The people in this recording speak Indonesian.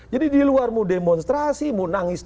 jadi di luar mau demonstrasi mau nangis